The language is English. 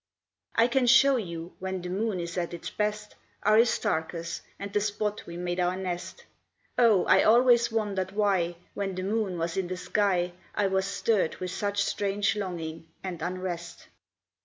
I can show you, when the Moon is at its best, Aristarchus, and the spot we made our nest, Oh! I always wondered why, when the Moon was in the sky, I was stirred with such strange longing, and unrest.